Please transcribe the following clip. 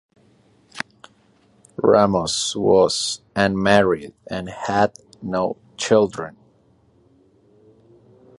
Ramos was unmarried and had no children.